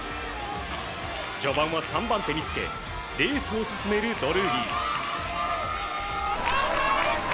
序盤は３番手につけレースを進めるドルーリー。